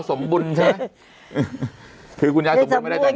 สมบูรณ์ใช่ไหมคุณยายสมบูรณ์ไม่ได้ต้อง